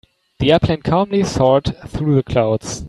The airplane calmly soared through the clouds.